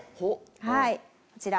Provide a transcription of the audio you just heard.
はいこちら。